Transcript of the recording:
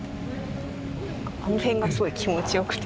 あの辺がすごい気持ちよくて。